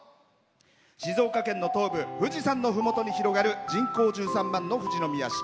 静岡県の東部富士山のふもとに広がる人口１３万の富士宮市。